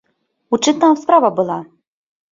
У чым там справа была?